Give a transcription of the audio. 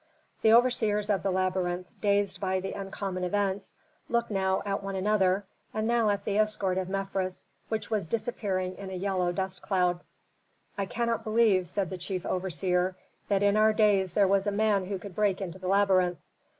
The overseers of the labyrinth, dazed by the uncommon events, looked now at one another, and now at the escort of Mefres, which was disappearing in a yellow dust cloud. "I cannot believe," said the chief overseer, "that in our days there was a man who could break into the labyrinth."